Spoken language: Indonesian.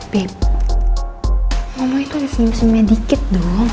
babe ngomongnya tuh ada senyum senyumnya dikit doang